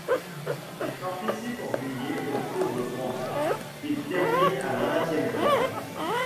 Il participe en juillet au Tour de France, qu'il termine à la vingtième place.